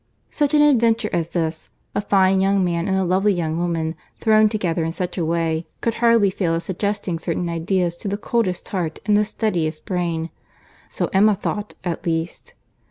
Such an adventure as this,—a fine young man and a lovely young woman thrown together in such a way, could hardly fail of suggesting certain ideas to the coldest heart and the steadiest brain. So Emma thought, at least.